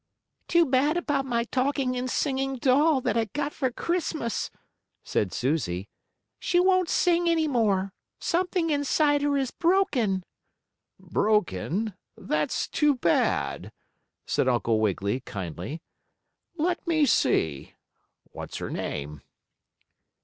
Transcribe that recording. "Too bad about my talking and singing doll, that I got for Christmas," said Susie. "She won't sing any more. Something inside her is broken." "Broken? That's too bad!" said Uncle Wiggily, kindly. "Let me see. What's her name?"